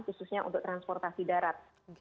khususnya untuk transportasi darat